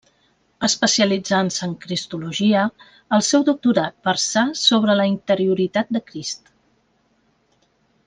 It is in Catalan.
Especialitzant-se en cristologia, el seu doctorat versà sobre la interioritat de Crist.